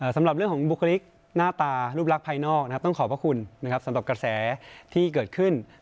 สำหรับเรื่องของบุคลิกหน้าตารูปลักษณ์ภายนอกนะครับต้องขอบพระคุณนะครับสำหรับกระแสที่เกิดขึ้น